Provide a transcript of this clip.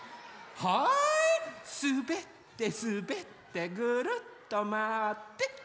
はいすべってすべってぐるっとまわってはいポーズ。